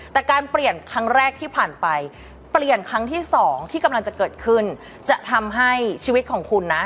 แต่การเปลี่ยนครั้งแรกที่ผ่านไปเปลี่ยนครั้งที่สองที่กำลังจะเกิดขึ้นจะทำให้ชีวิตของคุณนะ